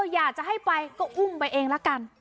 อยากจะให้ไปก็อุ้มไปเองละกัน